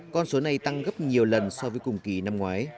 con số này tăng gấp nhiều lần so với cùng kỳ năm ngoái